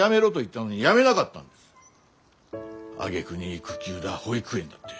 あげくに育休だ保育園だって。